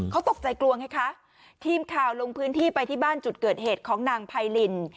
เขาตกใจกลัวไงคะทีมข่าวลงพื้นที่ไปที่บ้านจุดเกิดเหตุของนางไพริน